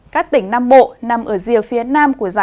các tỉnh nam bộ nằm ở rìa phía nam của gia lai